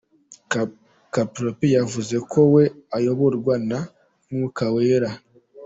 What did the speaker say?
Clapton yavuze ko we ayoborwa na Mwuka Wera.